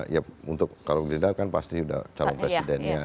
ya untuk kalau gerindra kan pasti sudah calon presidennya